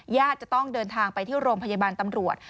จะต้องเดินทางไปที่โรงพยาบาลตำรวจ